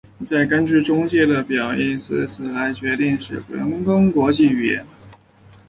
再根据这中介的表义字词来决定使用人工国际语言。